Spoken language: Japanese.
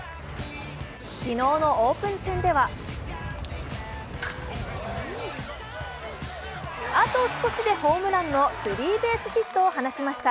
昨日のオープン戦ではあと少しでホームランのスリーベースヒットを放ちました。